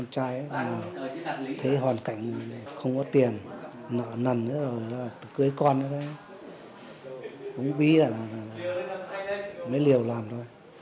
thấy hoàn cảnh không có tiền nợ nần cưới con cũng biết là mới liều làm thôi